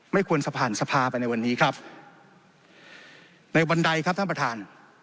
ไม่ควรจะผ่านสภาไปในวันนี้ครับในวันใดครับท่านประธาน